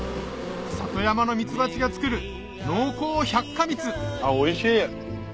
里山のミツバチが作るおいしい！